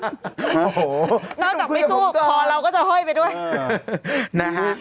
นอกจากไปสู้คอเราก็จะเฮ่ยไปด้วย